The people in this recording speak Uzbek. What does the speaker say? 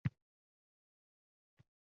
Tengdoshlarimizga shu jihat yetishmaydi.